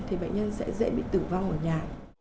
thì bệnh nhân sẽ dễ bị tử vong ở nhà